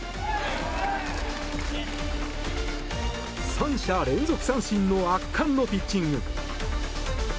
３者連続三振の圧巻のピッチング。